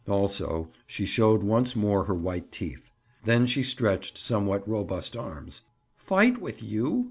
Also, she showed once more her white teeth. Then she stretched somewhat robust arms. "Fight with you?"